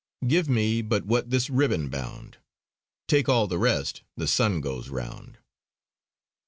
"Give me but what this Ribbon bound, Take all the rest the sun goes round."